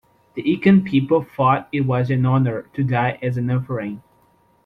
The Incan people thought it was an honor to die as an offering.